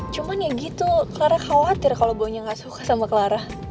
cuman ya gitu clara khawatir kalo boynya nggak suka sama clara